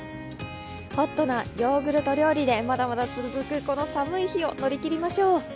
ホットなヨーグルト料理でまだまだ続くこの寒い日を乗り切りましょう。